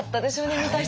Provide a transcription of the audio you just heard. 見た人は。